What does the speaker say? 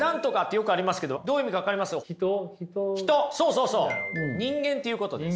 そうそう人間っていうことです。